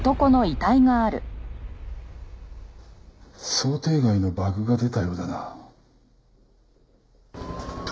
想定外のバグが出たようだな。